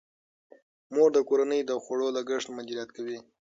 مور د کورنۍ د خوړو لګښت مدیریت کوي.